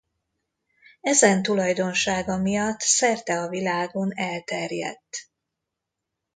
Ezen tulajdonsága miatt szerte a világon elterjedt.